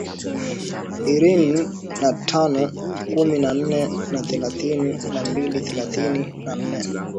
irini na tano kumi na nane na thelathini na mbili thelatini na nne